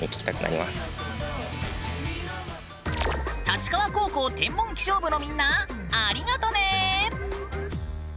立川高校天文気象部のみんなありがとね！